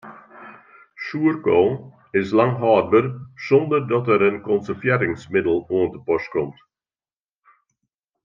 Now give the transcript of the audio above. Soerkoal is lang hâldber sonder dat der in konservearringsmiddel oan te pas komt.